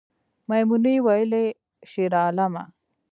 میمونۍ ویلې شیرعالمه